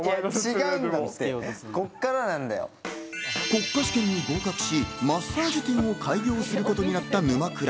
国家試験に合格し、マッサージ店を開業することになった沼倉。